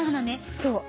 そう。